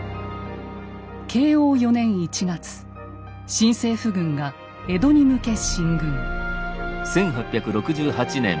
新政府軍が江戸に向け進軍。